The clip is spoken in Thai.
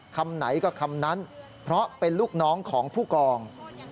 คำไหนก็คำนั้นเพราะเป็นลูกน้องของผู้กอง